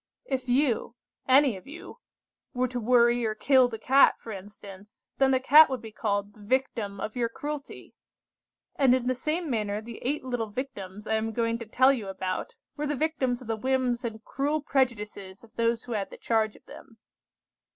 "If you, any of you, were to worry or kill the cat, for instance, then the cat would be called the victim of your cruelty; and in the same manner the eight little Victims I am going to tell you about were the victims of the whims and cruel prejudices of those who had the charge of them.